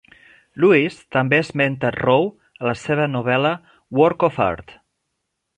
Lewis també esmenta Roe a la seva novel·la "Work of Art".